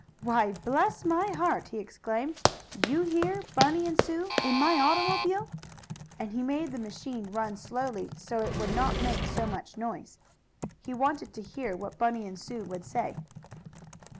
"Why, bless my heart!" he exclaimed. "You here Bunny and Sue in my automobile?" and he made the machine run slowly, so it would not make so much noise. He wanted to hear what Bunny and Sue would say.